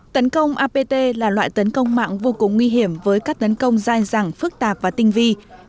tấn công apt là loại tấn công mạng vô cùng nguy hiểm với các tấn công dài dẳng phức tạp và tinh vi